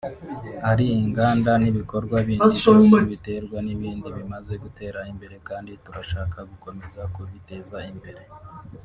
ari inganda n’ibikorwa bindi byose biterwa n’ibi bimaze gutera imbere kandi turashaka gukomeza kubiteza imbere